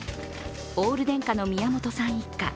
オール電化の宮本さん一家。